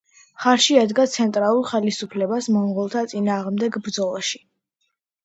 მხარში ედგა ცენტრალურ ხელისუფლებას მონღოლთა წინააღმდეგ ბრძოლაში.